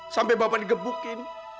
sampai bapak di gebukin